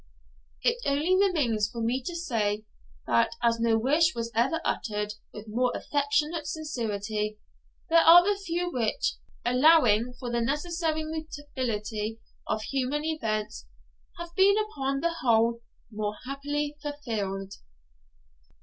It only remains for me to say that, as no wish was ever uttered with more affectionate sincerity, there are few which, allowing for the necessary mutability of human events, have been upon the whole more happily fulfilled.